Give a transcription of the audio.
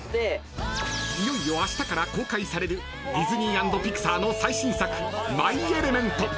［いよいよあしたから公開されるディズニー＆ピクサーの最新作『マイ・エレメント』］